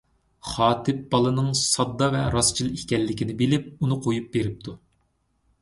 خاتىپ بالىنىڭ ساددا ۋە راستچىل ئىكەنلىكىنى بىلىپ ئۇنى قويۇپ بېرىپتۇ.